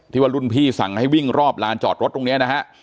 ว่ารุ่นพี่สั่งให้วิ่งรอบลานจอดรถตรงนี้นะฮะ